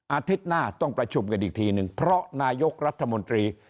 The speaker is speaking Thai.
อาทิตย์หน้าต้องประชุมกันอีกทีหนึ่งเพราะนายกรัฐมนตรี